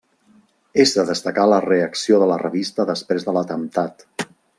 És de destacar la reacció de la revista després de l'atemptat.